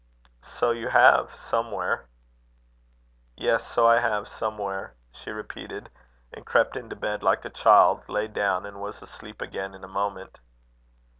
"So you have, somewhere." "Yes, so I have, somewhere," she repeated, and crept into bed like a child, lay down, and was asleep again in a moment.